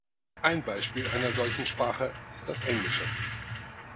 Ein Beispiel einer solchen Sprache ist das Englische.